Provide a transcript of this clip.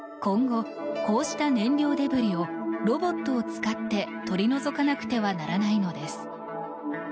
今後、こうした燃料デブリをロボットを使って取り除かなくてはならないのです。